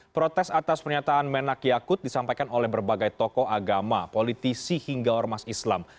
protes atas pernyataan menak yakut disampaikan oleh berbagai tokoh agama politisi hingga ormas islam